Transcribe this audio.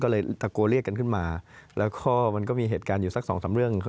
ก็เลยตะโกนเรียกกันขึ้นมาแล้วก็มันก็มีเหตุการณ์อยู่สักสองสามเรื่อง